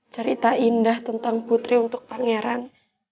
cerita indah tentang putri untuk pangeran